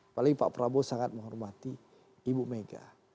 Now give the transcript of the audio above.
paling pak prabowo sangat menghormati ibu mega